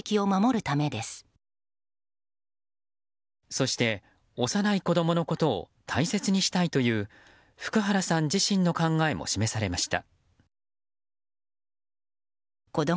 そして、幼い子供のことを大切にしたいという福原さん自身の考えも示されました。